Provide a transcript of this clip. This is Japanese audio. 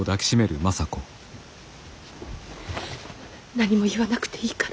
何も言わなくていいから。